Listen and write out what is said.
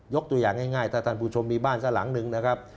ตัวอย่างง่ายถ้าท่านผู้ชมมีบ้านซะหลังหนึ่งนะครับ